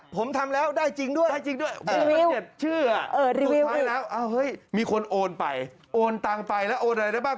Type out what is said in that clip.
ผมทำแล้วได้จริงด้วยรีวิวมีคนโอนไปโอนตังไปแล้วโอนอะไรได้บ้าง